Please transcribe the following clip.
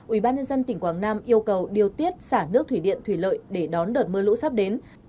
ubnd tỉnh quảng nam yêu cầu điều tiết xả nước thủy điện thủy lợi để đón đợt mưa lũ sắp đến